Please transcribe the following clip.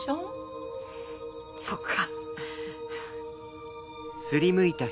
そっか。